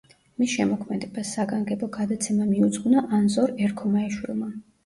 მის შემოქმედებას საგანგებო გადაცემა მიუძღვნა ანზორ ერქომაიშვილმა.